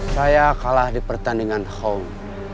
saya kalah di pertandingan hong